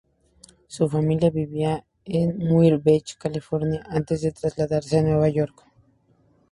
Su familia vivía en Muir Beach, California, antes de trasladarse a Nueva York.